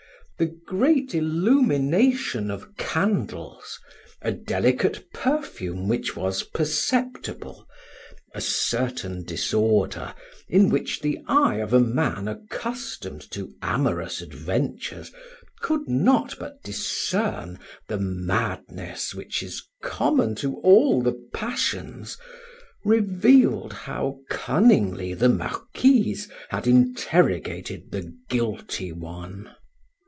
The great illumination of candles, a delicate perfume which was perceptible, a certain disorder, in which the eye of a man accustomed to amorous adventures could not but discern the madness which is common to all the passions, revealed how cunningly the Marquise had interrogated the guilty one.